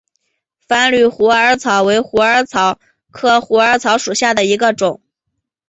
繁缕虎耳草为虎耳草科虎耳草属下的一个种。